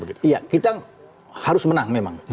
kita harus menang memang